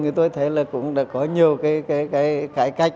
thì tôi thấy là cũng đã có nhiều cái cải cách